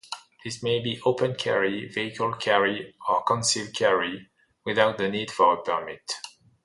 This may be open-carry, vehicle-carry, or concealed carry without the need for a permit.